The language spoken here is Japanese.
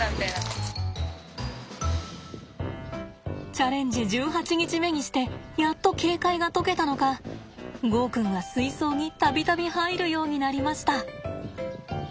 チャレンジ１８日目にしてやっと警戒が解けたのかゴーくんは水槽に度々入るようになりました。